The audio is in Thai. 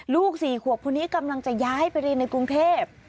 ๔ขวบคนนี้กำลังจะย้ายไปเรียนในกรุงเทพ